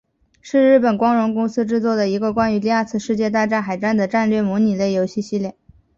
是日本光荣公司制作的一个关于第二次世界大战海战的战略模拟类游戏系列。